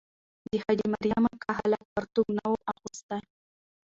د حاجي مریم اکا هلک پرتوګ نه وو اغوستی.